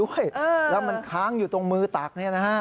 แล้วมันค้างอยู่ตรงมือตักเนี่ยนะฮะ